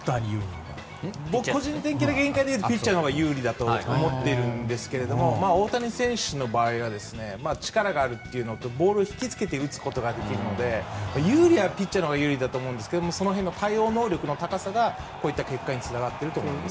個人的にはピッチャーのほうが有利だと思っているんですが大谷選手の場合は力があるというのとボールを引き付けて打つことができるので有利なのはピッチャーだと思いますけどその辺の対応能力の高さが結果につながっているんだと思います。